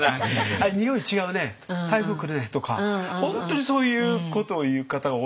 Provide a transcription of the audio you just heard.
「あれにおい違うね台風来るね」とか本当にそういうことを言う方が多いんですよ。